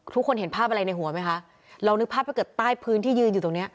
ทุกคนเห็นภาพอะไรในหัวไหมคะเรานึกภาพถ้าเกิดใต้พื้นที่ยืนอยู่ตรงเนี้ย